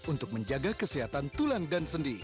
untuk menjaga kesehatan tulang dan sendi